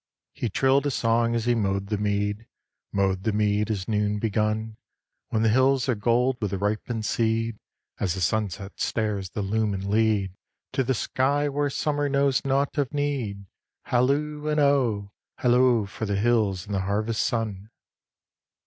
II. He trilled a song as he mowed the mead, Mowed the mead as noon begun: "When the hills are gold with the ripened seed, As the sunset stairs that loom and lead To the sky where Summer knows naught of need, Halloo and oh! Hallo for the hills and the harvest sun!"